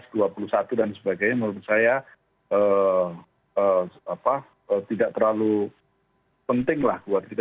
dan pemilihan empat belas dua puluh satu dan sebagainya menurut saya tidak terlalu penting lah buat kita